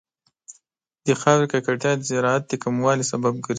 د خاورې ککړتیا د زراعت د کموالي سبب ګرځي.